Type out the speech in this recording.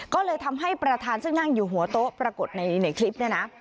ก็เลยทำให้ประธานซึ่งนั่งอยู่หัวโต๊ะปรากฏในคลิปเนี่ยนะ